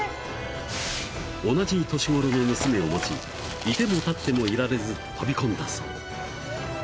［同じ年頃の娘を持ち居ても立ってもいられず飛び込んだそう］